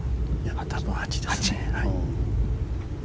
多分８ですね。